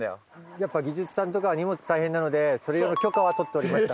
やっぱ技術さんとかは荷物大変なのでそれ用の許可は取っておりました。